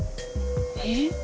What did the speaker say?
えっ？